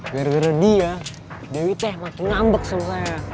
gara gara dia dewi teh makin ngambek sama saya